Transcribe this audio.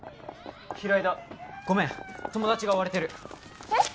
平井だごめん友達が追われてるえっ？